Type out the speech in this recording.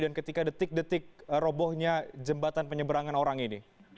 dan ketika detik detik robohnya jembatan penyeberangan orang ini